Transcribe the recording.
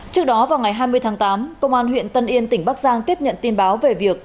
trước đó vào ngày hai mươi tháng tám công an huyện tân yên tỉnh bắc giang tiếp nhận tin báo về việc